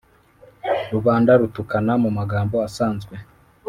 rubanda rutukana mu magambo asanzwe,